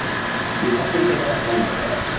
Mi atendas vin.